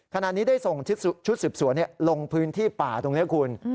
ขณะนี้ได้ส่งชุดสืบสวนลงพื้นที่ป่าตรงนี้คุณ